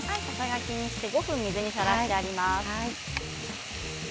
ささがきにして５分、水にさらしてあります。